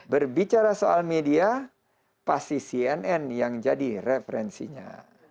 berbicara soal media pasti cnn yang jadi referensinya